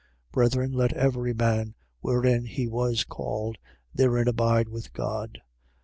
7:24. Brethren, let every man, wherein he was called, therein abide with God.